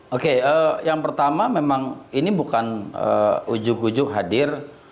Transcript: oke yang pertama memang ini bukan ujug ujuk hadir